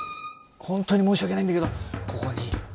本当に申し訳ないんだけどここに監視用。